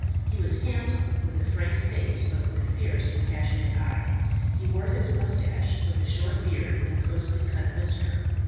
He was handsome, with a frank face, but with a fierce and passionate eye. He wore his moustache with a short beard and closely cut whisker.